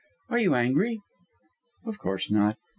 Are you angry?" "Of course not!